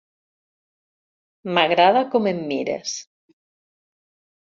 M'agrada com em mires.